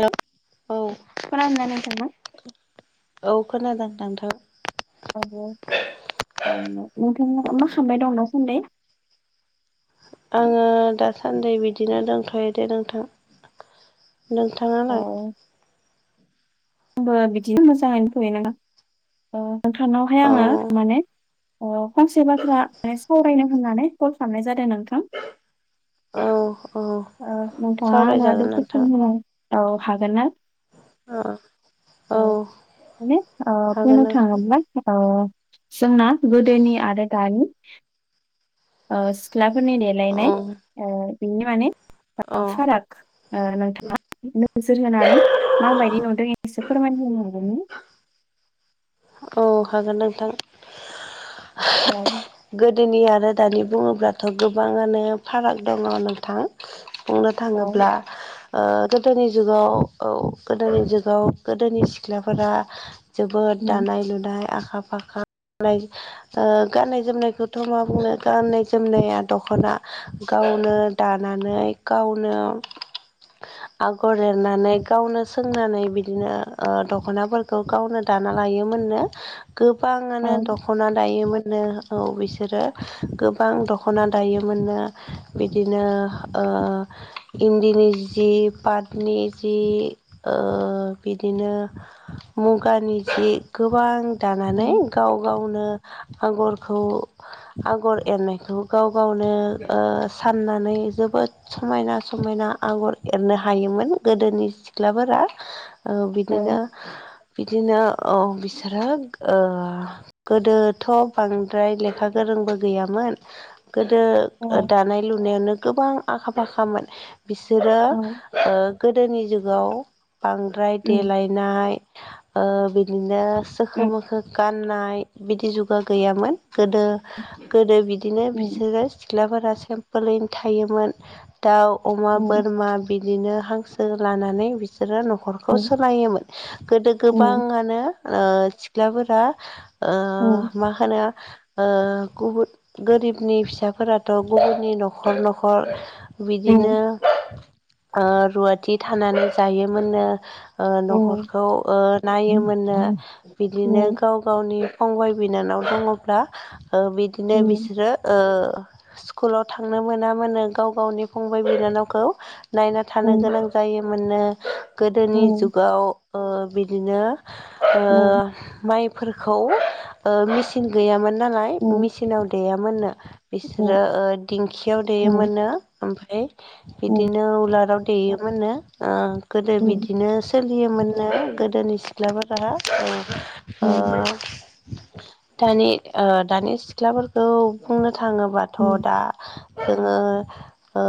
औ खोनादों ना नोंथाङा? औ खोनादों नोंथां। औ औ नोंथाङा मोखांबाय दं दासान्दि। आङो दासान्दि बिदिनो दंथ'यो दे नोंथां। औ नोंथाङालाय? आंबो बिदिनो मोजाङैनो फैयो नामा नोंथांनावहाय औ आङो माने अ फंसे बाथ्रा माने सावरायनो होननानै कल खालामनाय जादों नोंथां। औ औ ओ नोंथाङा आंनो सावरायजागोन दसे नोंथां सम होनो हा औ हागोन ना? [inaudible] औ माने ओ हागोन बुंनो नोंथां थाङोबा ओ जोंना गोदोनि आरो दानि ओ सिख्ला होननायनायालाय औ नाय ओ बेयो माने ओं औ फाराग नोंथाङा नोजोर होनानै माबायदि नुदों एसो फोरमाय होनो हा [inaudible] औ हागोन नोंथां, गोदोनि आरो दानि बुङोब्लाथ' गोबाङानो फाराग दङ नोंथां। बुंनो थाङोब्ला ओ गोदोनि जुगआव औ गोदोनि जुगआव गोदोनि सिख्लाफोरा ज दानाय लुनाय आखा फाखा [unintelligible] ओ गाननाय जोमनायखौथ' मा बुंनो गाननाय जोमनाया दख'ना गा गावनो दानानै गावनो आगर एरनानै गावनो सोंनानै बिदिनो ओ दख'नाफोरखौ गावनो दा ना लायोमोननो गोबाङानो दख'ना दायोमोन नो औ बिसोरो गोबां दख'ना दायोमोननो बिदिनो ओ ओ इन्दिनि जि पातनि जि ओ बिदिनो ओ मुगानि जि गोबां दानानै गाव गावनो आगरखौ आगर एरनायखौ गाव गावनो ओ साननानै जोबोद समायना समायना ना आगर एरनो हायोमोन गोदोनि सिख्लाफोरा ओ बिदिनो बिदिनो औ बिसोरो ओ गोदोथ' बांद्राय लेखा गोरोंबो गैयामो मोन गोदो दानाय लुनायावनो गोबां आखा फाखा मोन। बिसोरो ओ गोदोनि जुगाव बांद्राय देलायनाय ओ बिदिनो सोखो मोखो गाननाय बिदि जुगा गैयामोन गोदो गोदो बि दिनो बिसोरो सिख्लाफोरा सेमपोलैनो थायोमोन दाउ अमा बोरमा बि दिनो हांसो लानानै बिसोरो न'खरखौ सोलायोमोन गोदो गोबांआ ओ सिख्लाफोरा ओ मा होनो ओ गुबुन गोरिबनि फिसाफोराथ' गुबुननि न'खर न'खर बिदिनो ओ रुवाथि थानानै जायोमोननो। ओ न'खरखौ ओ नायोमोननो बिदिनो गाव गाव नि फंबाय बिनानाव दङब्ला ओ बिदिनो बिसोरो ओ स्कुलाव थांनो मोना मोनो गाव गावनि फंबाय बिनानावखौ नायना थानो गोनां जायोमोननो गोदोनि जुगाव ओ बिदिनो ओ माइफोरखौ ओ मिसिन गैयामोन नालाय मिसिनाव देयामोननो बिसोरो ओ दिंखियाव देयोमोननो ओमफ्राय बिदिनो उलाराव देयोमोननो ओ गोदो बिदिनो सोल फियोमोननो गोदोनि सिख्लाफोरा औ ओ दानि ओ दानि सिख्लाफोरखौ बुंनो थाङोबाथ' दा जोङो ओ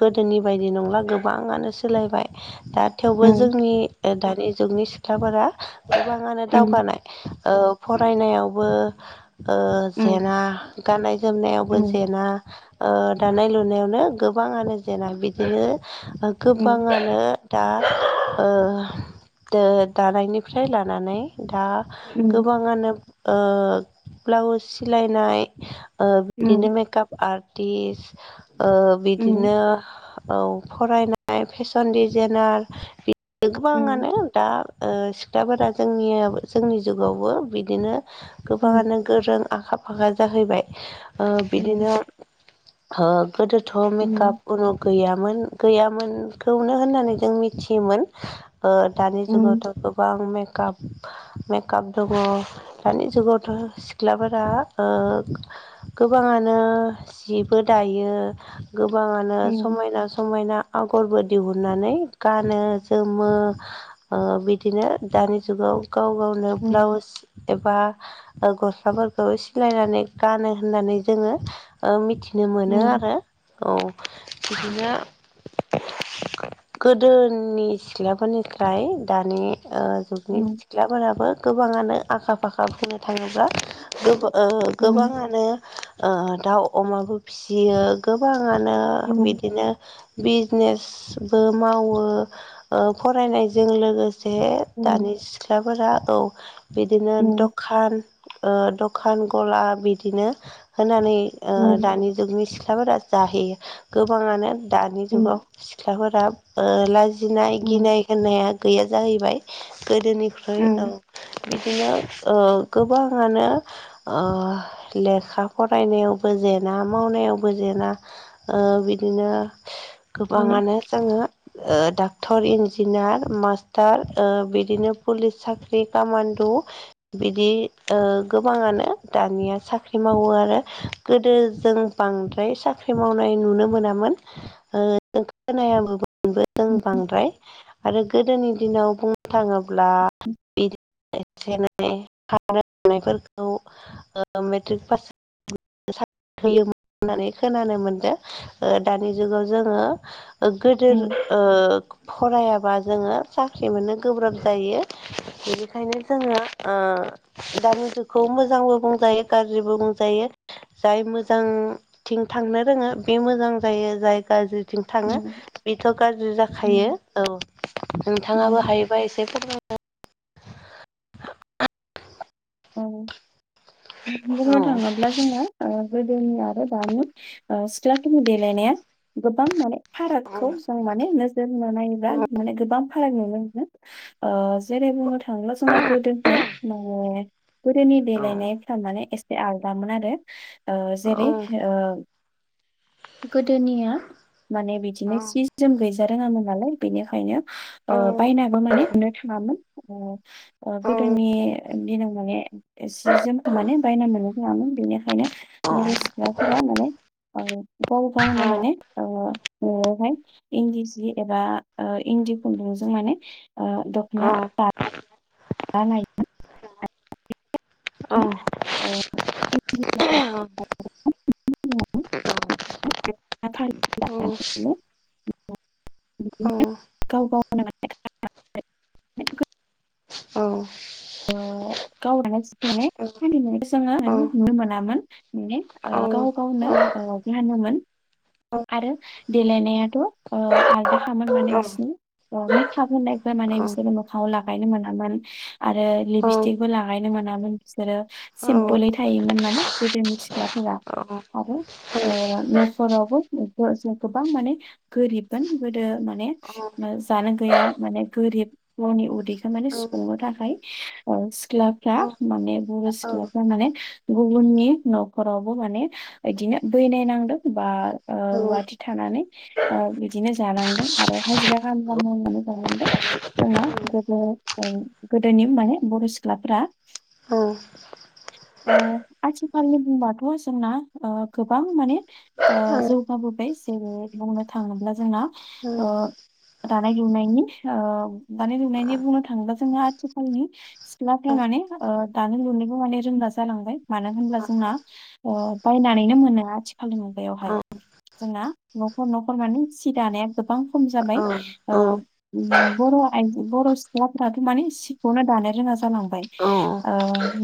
गोदोनि बायदि नंला गोबाङानो सोलायबाय। दा थेवबो जोंनि ओ दानि जुगनि सिख्लाफोरा गोबाङानो दावगानाय। ओ फरायनायावबो ओ जेना गाननाय जो जोमनायावबो जेना ओ दानाय लुनायावनो गोबाङानो जेना बिदिनो गोबाङानो दा ओ दो दानायनिफ्राय लानानै दा गोबाङानो ओ ब्लाउस सिलायनाय ओ बिदिनो मेकाप आर्ट टिस ओ बिदिनो औ फरायनाय फेसन डिजाइनार बि गोबाङानो दा ओ सिख्लाफोरा जोंनि जोंनि जुगावबो बिदिनो गोबाङानो गोरों आखा फाखा जाहैबाय ओ बिदिनो [unintelligible] गोदोथ' मेकाप उनुख गैयोन गैयामोनखौनो होननानै जों मिथियोमोन ओ दा जुगावथ' गोबां मेक काप मेकप दङ दानि जुगावथ' सिख्लाफोरा ओ गोबाङानो जिबो दायो गोबाङानो समायना समायना आगरबो दिहुननानै गानो, जोमो ओ बिदिनो दानि जुगाव गाव गावनो ब्लाउस एबा ओ गस्लाफोरखौ सिलायनानै गानो होननानै जोङो ओ मिथि नो मोनो आरो औ बिदिनो [inaudible] गोदोनि सिख्लाफोरनिफ्राय दानि ओ जुगनि सिख्लाफोराबो गोबाङानो आखा फाखा बुंनो थाङोब्ला गो ओ गोबाङानो ओ दाउ अमाबो फिसियो गोबाङानो बिदिनो बिजनेस बो मावो ओ फरायनायजों लो जे दानि सिख्लाफोरा औ बिदिनो दखान ओ दखान गला बिदिनो होनानै ओ दानि जुगनि सिख ख्लाफोरा जाहैयो गोबाङानो दानि जुगाव सिख्लाफोरा ओ लाजि गिनाय गिनाय होननाया गैया जाहैबाय गोदोनिफ्राय औ। बिदिनो ओ गोबाङानो ओ लेखा फरायनायावबो जेना मावनायावबो जेना ओ बिदिनो गोबाङानो जोङो ओ डाक्टर इन्जिनियार मार थार ओ बिदिनो पुलिस साख्रि कामान्डु बिदि ओ गोबां बाङानो दानिया साख्रि मावो आरो गोदो जों बांद्राय साख्रि मावनाय नु मोनामोन ओ खोनायामोनबो जों बांद्राय आरो गो गोदोनि दिनाव बुंनो थाङोब्ला बिद एसे एनै खानय हनायफोरखौ ओ मेट्रिक पास [unintelligible] होयोमोन होननानै खोनानो मोनदों ओ दानि जुगाव जोङो ओ गोदोर उम ओ फरायाबा जोङो साख्रि मोननो गोब्राब जायो बेनिखायनो जोङो ओ दानि जुगखौ मोजांबो बुंजायो गाज्रिबो बुंजायो जाय मोजांथिं थांनो रोङो बे मोजां जायो जायगा ज थिं थाङो उम बेथ' गाज्रि जाखायो उम औ नोंथाङाबो उम हायोबा एसे [unintelligible] औ [unintelligible] बुंनो औ थाङोब्ला जोङो ओ गोदोनि आरो दानि ओ सिख्लाफोरनि देलायनाया गोब गोबां माने फारागखौ औ जों माने नोजोर होना नायोब्ला माने गोबां फाराग नुनो ओ जेरै बुंनो थाङोब्ला जोंना गोदोहाय माने गोदोनि औ देलायनायफ्रा माने एसे आलदामोन आरो ओ जेरै औ ओ गोदोनिया माने बिदिनो सि जोम गैजा रोङामोन नालाय बिनिखायनो ओ बायनाबो माने मोननो थाङा। मोन ओ ओ औ गोदोनि दिन माने सि जोमखौ माने बायना मोननो थाङामोन बेनिखायनो बर' सिख्लाफोरा माने आरो गाव गावनो औ माने ओ न'आवहाय इंन्दि जि एबा ओ इ दि खुन्दुंजों माने ओ दख'ना औ दा दानाय औ [unintelligible] औ। ओ औ [inaudible] औ। बिदिनो गाव [unintelligible] ओ गाव दानाय सि माने [unintelligible] औ नुनो मोनामोन माने ओ गाव गावनि ओ ओ गानोमोन। आरो देलायनायाथ' ओ आलदा खामोन माने बिसोरनि ओ मेकाप होननायफोर माने बिसोरो मोखाङाव लागायनो मोनामोन। आरो लिपस्टिकबो लागायनो मोनामोन बिसोरो सिमपोलै थायोमोन माने गोदनि सिख्ला आ आरो ओ न'फोरावबो गोबां माने गोरिबमोन गोदो माने जानो गैया माने गोरिबफोरनि उदैखौ माने सुफुंनो थाखाय ओ सिख्लाफ्रा माने बर' सिख्लाफ्रा माने गुबुननि न'खरावबो माने इदिनो बैनाय नांदों बा ओ रुवाथि थानानै ओ बिदिनो जा नांदों आरो हाजिरा खामला मावनानै जानांदों जोंना गोदो दोनि माने बर' सिख्लाफोरा ओ आथिखालनि बुंबाथ' जोंना ओ गोबां माने ओ जौगाबोबाय। जेरै बुंनो थाङोब्ला जोंना ओ दानाय लुनायनि ओ दानाय लुनायनि बुंनो थाङोब्ला जोंहा आथि खालनि सिख्ला फ्रानानै ओ दानो लुनोबो माने रोंला जालांबाय मानो होनब्ला जोंना ओ बायनानैनो मोनो आथिखालनि मुगायावहाय। जोंना न'खर न'खर माने सि दानाया गोबां खम जाबाय ओ बर' आ बर' सिख्लाफोराथ' माने सि खौनो दानो रोङा जालांबाय ओ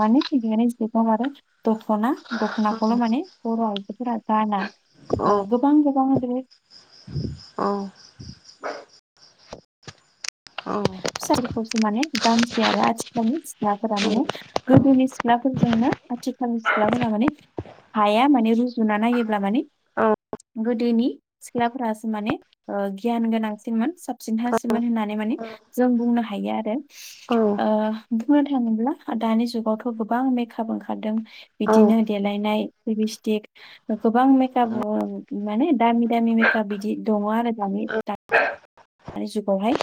माने [unintelligible] आरो दख'ना द खनाखौल' माने बर' आइजोफोरा गाना ओ गोबां गोबां औ फिसाफोरखौसो माने गांसै आरो आथिखालनि सिख्लाफोरा माने गोदोनि सिख्लाफोरजोंनो आथिखालनि सिख्लाफोरा माने हाया माने रुजुना नायोब्ला माने गोदोनि सिख्लाफोरासो माने गियान गोनांसिनमोन साबसिन हासोन होननानै माने जों बुंनो हायो आरो ओ बुंनो थाङोब्ला दानि जुगावथ' गोबां मेकआप ओंखारदों बिदिनो देलायनाय लिभिस्टिक गोबां मेकाप माने दामि दामि मेकआप बिदि दङ' आरो दानि दानि जुगावहाय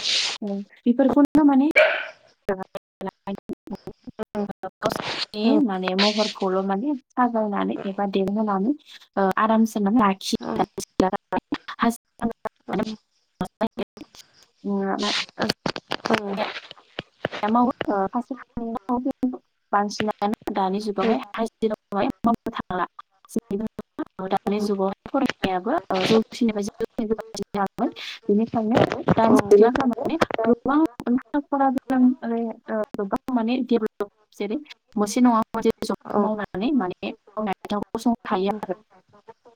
बेफोरखौनो माने [unintelligible] [unintelligible] गावसिनि माने महरखौल' माने साजाययनानै एबा देलायहोनानै आराम लाखि [unintelligible] औ [unintelligible] माव [unintelligible] बांसिनानो दानि जुगावहाय हाजिराखौ मावनो थांला। दानि जुगावहाय फरायनायाबो जौसिनि बाय [unintelligible] जामोन बेनिखायनो दानि सिख्लाफोरा माने गोबां [unintelligible] गोबां माने देभेलप जेरै मोनसे नङा जै जब मावनानै माने मावनाय गसंनो हायो आरो।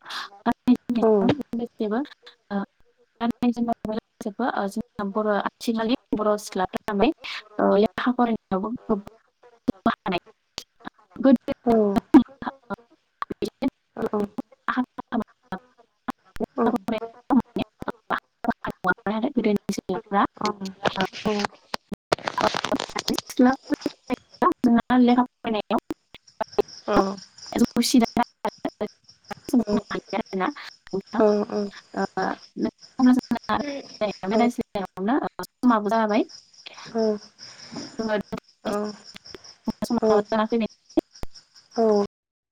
[unintelligible] [unintelligible] नायाव [unintelligible] औ [unintelligible] औ [unintelligible] [unintelligible] [unintelligible] औ [unintelligible] औ [unintelligible] [unintelligible] औ औ औ [unintelligible]